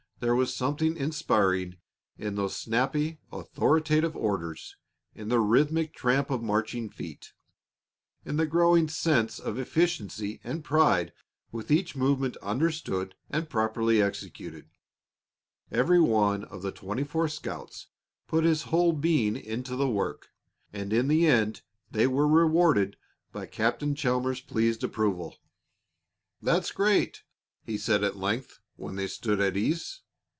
There was something inspiring in those snappy, authoritative orders, in the rhythmic tramp of marching feet, in the growing sense of efficiency and pride with each movement understood and properly executed. Every one of the twenty four scouts put his whole being into the work, and in the end they were rewarded by Captain Chalmers's pleased approval. "That's great!" he said when at length they stood at ease.